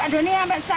padahal ini sampai